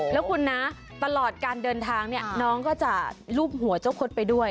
แล้วคุณนะตลอดการเดินทางเนี่ยน้องก็จะรูปหัวเจ้าคดไปด้วย